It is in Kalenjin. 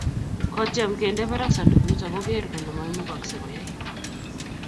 kotiem kende barak sandukut ako ker kole maimugagse koyai